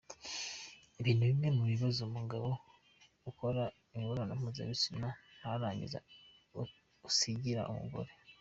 Ibi ni bimwe mu bibazo umugabo ukora imibonano mpuzabitsina ntarangize asigira umugore.